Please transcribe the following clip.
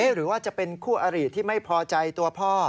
หรือว่าจะเป็นคู่อริที่ไม่พอใจตัวพ่อ